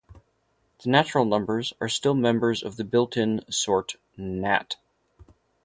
The natural numbers are still members of the built-in sort Nat.